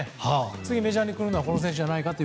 次、メジャーリーグに来るのはこの辺りではないかと。